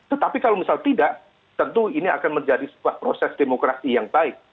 tetapi kalau misal tidak tentu ini akan menjadi sebuah proses demokrasi yang baik